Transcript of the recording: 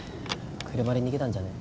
車で逃げたんじゃね？